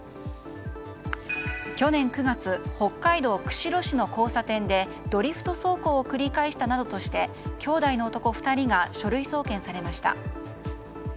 去年９月北海道釧路市の交差点でドリフト走行を繰り返したなどとして兄弟の男２人が書類送検されました。